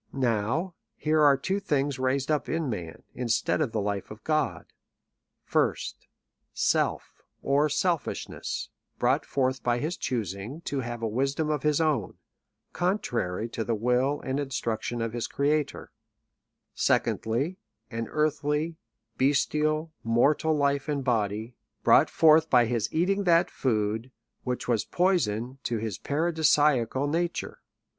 Now, here are two things raised up in man, instead of the life of God ;— first, self, or selfishness, brought forth by his choosing to have a wisdom of his own, contrary to the will and instruction of his Creator; secondly, an earthly, bestial, mortal life and body, brought forth by his eating that food, which was poi son to his paradisaical nature.